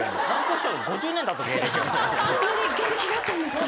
そんなに芸歴があったんですか？